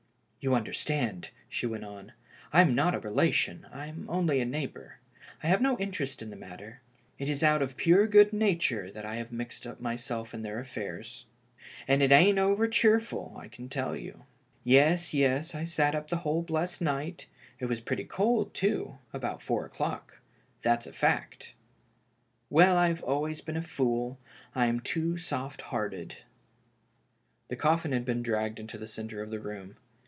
"You understand," she went on, " I am not a relation, I'm only a neighbor. I have no interest in the mat ter. It is out of pure good nature that I h^ave mixed myself up in their affairs. And it ain't over cheerful, I can tell you. Yes, yes, I sat up the whole blessed night •— it was pretty cold, too — about four o'clock. That's a fact. Well, I have always been a fool — I'm too soft hearted." THE FUNERAL. 261 The coflUn had been dragged into tlie centre of the room.